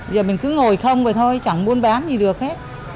giờ mình cứ ngồi không rồi thôi chẳng muốn bán gì được hết